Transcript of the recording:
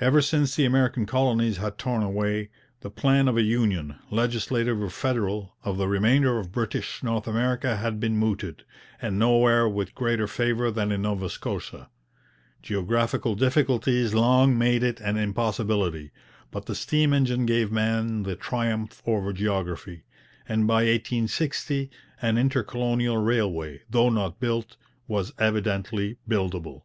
Ever since the American colonies had torn away, the plan of a union, legislative or federal, of the remainder of British North America had been mooted, and nowhere with greater favour than in Nova Scotia. Geographical difficulties long made it an impossibility, but the steam engine gave man the triumph over geography, and by 1860 an intercolonial railway, though not built, was evidently buildable.